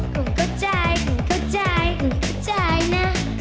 คุณเข้าใจคุณเข้าใจคุณเข้าใจนะ